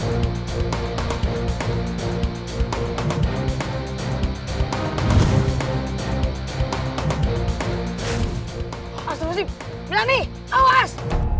astagfirullahaladzim berani awas